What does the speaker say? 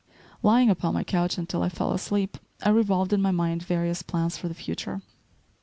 Lying upon my couch, until I fell asleep, I revolved in my mind various plans for the future.